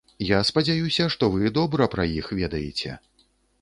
Я спадзяюся, што вы добра пра іх ведаеце.